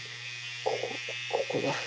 ここここだ。